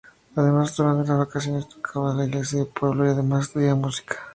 Además durante las vacaciones tocaba en la iglesia del pueblo y además estudiaba música.